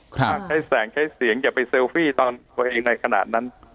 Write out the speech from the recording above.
ถ้าใช้แสงใช้เสียงอย่าไปเซลฟี่ตอนตัวเองในขณะนั้น